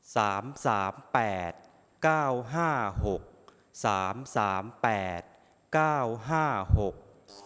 สามสามแปดเก้าห้าหกสามสามแปดเก้าห้าหก